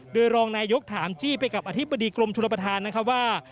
โดยรองนายยกถามจี้ไปกับอธิบดีกรมชุลประธานว่า